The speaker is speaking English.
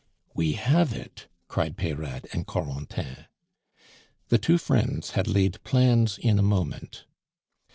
"We have it!" cried Peyrade and Corentin. The two friends had laid plans in a moment.